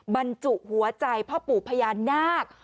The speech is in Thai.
บรรจุหัวใจพ่อปู่พญานาค